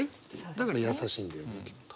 だから優しいんだよねきっと。